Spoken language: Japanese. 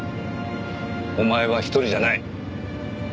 お前は一人じゃない。